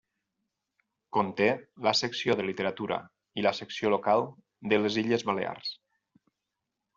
Conté la secció de literatura i la secció local de les Illes Balears.